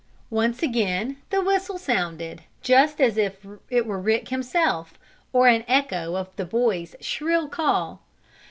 Once again the whistle sounded, just as if it were Rick himself, or an echo of the boy's shrill call.